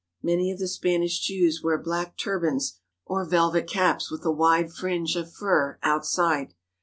Many of the Spanish Jews wear black tur bans or velvet caps with a wide fringe of fur outside.